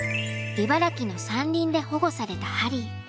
茨城の山林で保護されたハリー。